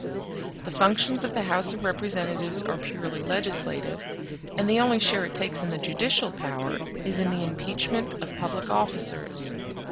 The functions of the House of Representatives are purely legislative, and the only share it takes in the judicial power is in the impeachment of public officers.